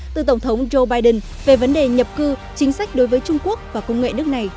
từ tổng thống joe biden về vấn đề nhập cư chính sách đối với trung quốc và công nghệ nước này